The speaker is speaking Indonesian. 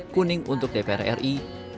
kuning untuk dpr ri